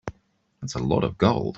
That's a lot of gold.